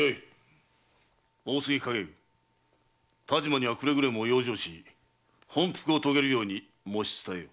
大杉勘解由但馬にはくれぐれも養生し本復を遂げるように申し伝えよ。